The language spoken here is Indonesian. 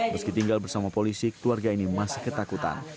meski tinggal bersama polisi keluarga ini masih ketakutan